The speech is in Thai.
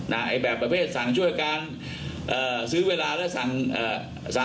นะครับผมก็ต้องให้การว่าเขาให้การว่าเขาให้การขัดแย้งข้อเรียกจริงนะครับ